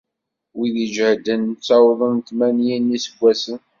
Wid iǧehden ttawḍen tmanyin n yiseggasen.